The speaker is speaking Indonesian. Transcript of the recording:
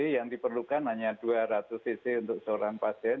yang diperlukan hanya dua ratus cc untuk seorang pasien